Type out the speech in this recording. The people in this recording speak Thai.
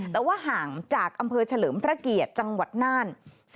แต่ว่าห่างจากอำเภอเฉลิมพระเกียรติจังหวัดน่าน